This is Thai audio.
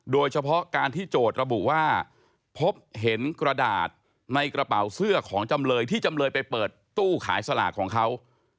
โดยเฉพาะการที่โจทย์ระบุว่าพบเห็นกระดาษในกระเป๋าเสื้อของจำเลยที่จำเลยไปเปิดตู้ขายสลากของเขา